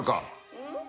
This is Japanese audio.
うん？